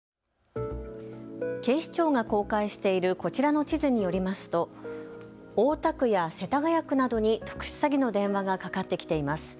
警視庁が公開しているこちらの地図によりますと大田区や世田谷区などに特殊詐欺の電話がかかってきています。